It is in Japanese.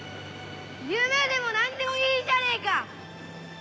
夢でも何でもいいじゃねえか！